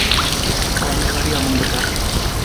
Alîkariya min bike.